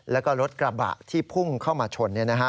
แล้วก็รถกระบะที่พุ่งเข้ามาชน